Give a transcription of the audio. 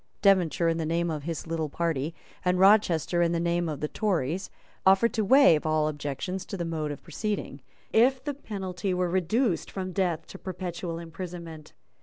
Devonshire, in the name of his little party, and Rochester, in the name of the Tories, offered to waive all objections to the mode of proceeding, if the penalty were reduced from death to perpetual imprisonment.